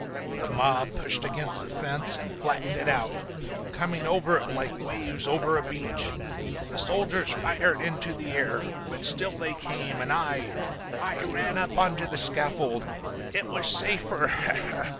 "The mob pushed against the fence and flattened it out, coming over it like waves over a beach. The soldiers fired into the air, but still they came, and I, I ran—up, onto the scaffold. It was safer!"